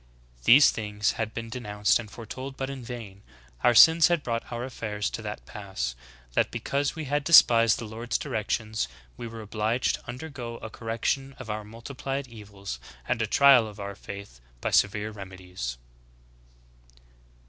These things had been denounced and fore told, but in vain. Our sins had brought our affairs to that pass, that because we had despised the Lord's directions, we were obliged to undergo a correction of our multiplied evils and a trial of our faith by severe remedies."